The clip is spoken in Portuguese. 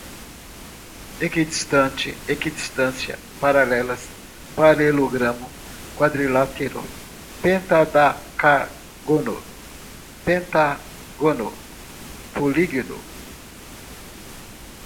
equidistantes, equidistância, paralelas, paralelogramo, quadrilátero, pentadacágono, pentágono, polígino